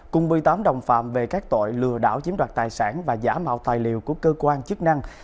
cùng một mươi tám đồng phạm về các tội lừa đảo chiếm đoạt tài sản và giả mạo tài liệu của cơ quan chức năng